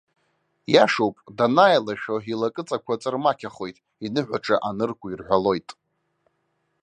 Иашоуп, данааилашәо илакыҵақәа ҵырмақьахоит, иныҳәаҿа анырку ирҳәалоит.